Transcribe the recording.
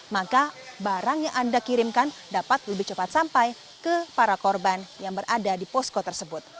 maka barang yang anda kirimkan dapat lebih cepat sampai ke para korban yang berada di posko tersebut